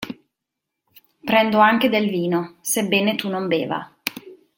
Prendo anche del vino, sebbene tu non beva.